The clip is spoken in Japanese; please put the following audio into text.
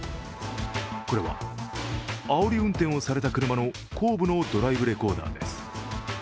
これはあおり運転をされた車の後部のドライブレコーダーです。